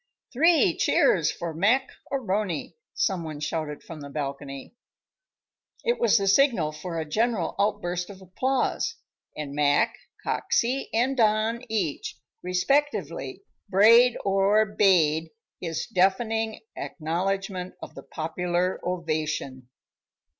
"Three cheers for Mac A'Rony!" some one shouted from the balcony. It was the signal for a general outburst of applause; and Mac, Coxey and Don, each, respectively, brayed or bayed his deafening acknowledgment of the popular ovation.